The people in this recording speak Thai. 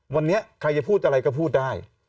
วันนี้ใครจะพูดอะไรก็พูดได้